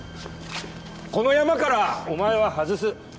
このヤマからお前は外す。